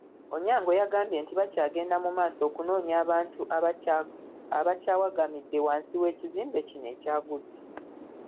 Onyango yagambye nti bakyagenda mu maaso okunoonya abantu abakyawagamidde wansi w'ekizimbe kino ekyagudde.